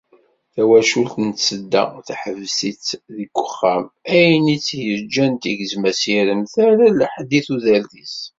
Tawacult n tsedda, teḥbes-itt deg uxxam, ayen i tt-yeǧǧan tegzem asirem, terra lḥedd i tudert-is.